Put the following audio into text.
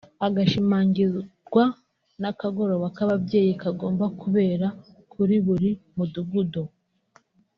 agashimangirwa n’akagoroba k’ababyeyi kagomba kubera kuri buri mudugudu